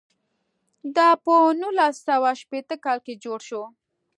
دا په نولس سوه شپېته کال کې جوړ شو.